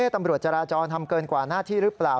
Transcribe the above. ตำรวจจราจรทำเกินกว่าหน้าที่หรือเปล่า